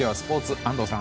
安藤さん。